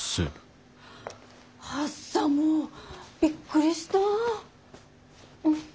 はっさもうびっくりした。